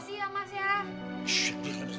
terima kasih ya mas ya